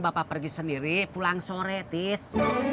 bapak pergi sendiri pulang sore tis